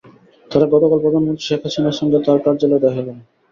তাঁরা গতকাল প্রধানমন্ত্রী শেখ হাসিনার সঙ্গে তাঁর কার্যালয়ে দেখা করেন।